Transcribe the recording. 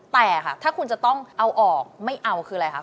แต่ค่ะถ้าคุณจะต้องเอาออกไม่เอาคืออะไรคะ